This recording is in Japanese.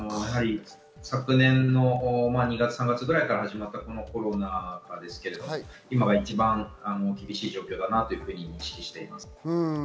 昨年の２月、３月ぐらいから始まったコロナが今が一番厳しい状況だなというふうに意識しています。